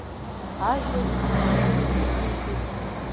Ажәлар шеизигац еизигеит…